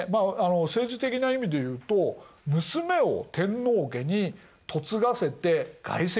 政治的な意味でいうと娘を天皇家に嫁がせて外戚になった。